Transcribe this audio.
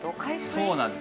そうなんです。